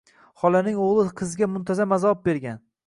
Xolaning o‘g‘li qizga muntazam azob bergan.